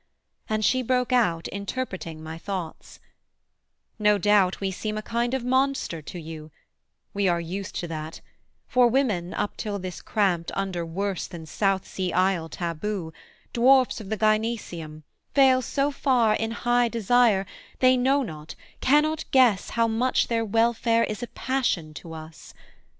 And she broke out interpreting my thoughts: 'No doubt we seem a kind of monster to you; We are used to that: for women, up till this Cramped under worse than South sea isle taboo, Dwarfs of the gynæceum, fail so far In high desire, they know not, cannot guess How much their welfare is a passion to us.